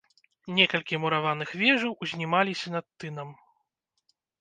Некалькі мураваных вежаў узнімалася над тынам.